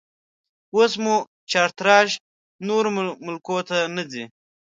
اوس مو چارتراش نورو ملکو ته نه ځي